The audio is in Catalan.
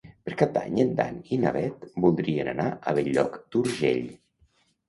Per Cap d'Any en Dan i na Bet voldrien anar a Bell-lloc d'Urgell.